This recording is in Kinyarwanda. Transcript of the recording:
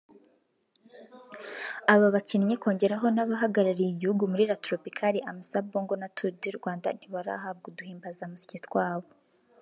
Aba bakinnyi kongeraho n’abahagarariye igihugu muri La tropicale Amissa Bongo na Tour du Rwanda ntibarahabwa uduhimbazamusyi twabo